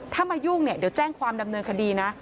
ถ้ามายุ่งเนี่ยเดี๋ยวแจ้งความดำเนินคดีนะ